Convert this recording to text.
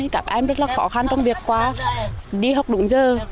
các em rất là khó khăn trong việc đi học đúng giờ